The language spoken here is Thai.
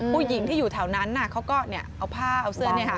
ผู้หญิงที่อยู่แถวนั้นนะเขาก็เนี่ยเอาผ้าเอาเสื้อเนี่ยค่ะ